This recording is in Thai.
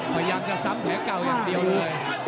พยายามจะซ้ำแผลเก่าอย่างเดียวเลย